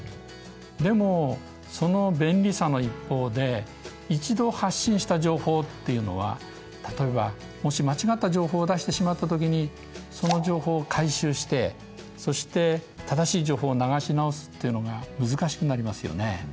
でもその便利さの一方で一度発信した情報っていうのは例えばもし間違った情報を出してしまった時にその情報を回収してそして正しい情報を流し直すっていうのが難しくなりますよね。